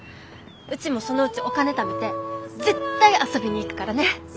うちもそのうちお金ためて絶対遊びに行くからね！